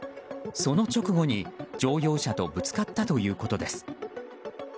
その直後に、乗用車とぶつかったということです。